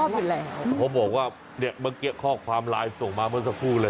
เขาบอกว่าเดี๋ยวเมื่อกี้ข้อความร้ายส่งมาเมื่อสักครู่เลย